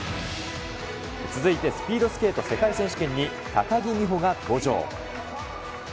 続いてスピードスケート世界選手権に、高木美帆が登場。